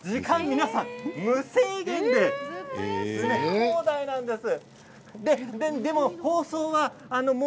皆さん無制限で詰め放題ですよ。